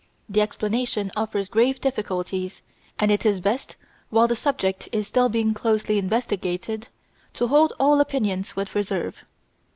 The explanation offers grave difficulties, and it is best while the subject is still being closely investigated, to hold all opinions with reserve.